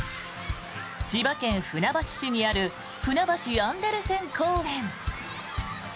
千葉県船橋市にあるふなばしアンデルセン公園。